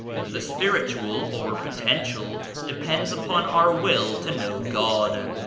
The Spiritual or potential de pends upon our will to know God.